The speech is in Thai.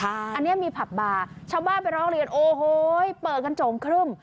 อันนี้มีผับบาร์ชาวบ้านไปร้องเรียนโอ้โหเปิดกันโจ่งครึ่ม